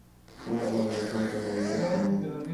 আমার ভয় নাই, সংশয় নাই, মৃত্যু নাই।